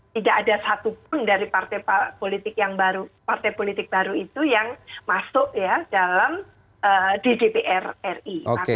tidak satu pun dari partai politik yang baru partai politik baru itu yang masuk ya dalam dgpr ri waktu itu